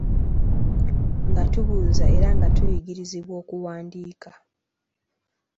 Nga tubuuza era nga tuyigirizibwa okuwandiika.